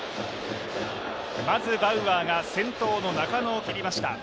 まずバウアーが先頭の中野を切りました。